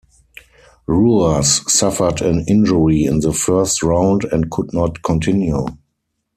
Ruas suffered an injury in the first round and could not continue.